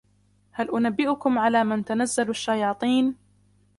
هَلْ أُنَبِّئُكُمْ عَلَى مَنْ تَنَزَّلُ الشَّيَاطِينُ